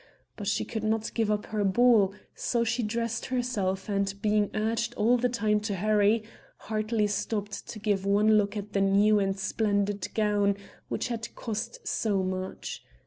But she could not give up her ball; so she dressed herself, and, being urged all the time to hurry, hardly stopped to give one look at the new and splendid gown which had cost so much.